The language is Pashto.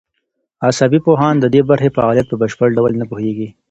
عصبي پوهان د دې برخې فعالیت په بشپړ ډول نه پوهېږي.